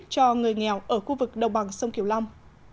cho người nghèo ở khu vực đồng bằng sông kiều long